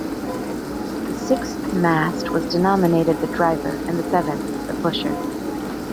The sixth mast was denominated the driver and the seventh the pusher.